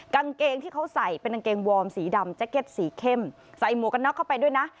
กางเกงที่เขาใส่เป็นกางเกงวอร์มสีดำแจ็คเก็ตสีเข้มใส่หมวกกันน็อกเข้าไปด้วยนะ